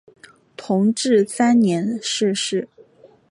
同治三年逝世。